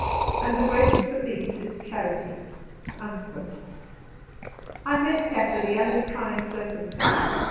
And the greatest of these is charity.' I MET Cassidy under trying circumstances.